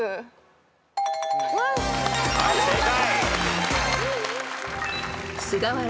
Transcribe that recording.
はい正解。